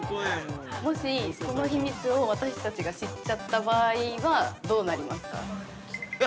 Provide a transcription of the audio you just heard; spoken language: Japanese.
◆もしその秘密を私たちが知っちゃった場合は、どうなりますか。